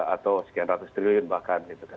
atau sekian ratus triliun bahkan